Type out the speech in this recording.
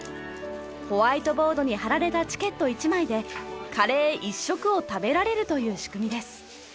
ホワイトボードに貼られたチケット１枚でカレー１食を食べられるという仕組みです。